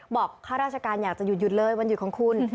ข้าราชการอยากจะหยุดเลยวันหยุดของคุณ